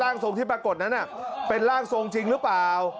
ทรงที่ปรากฏนั้นเป็นร่างทรงจริงหรือเปล่า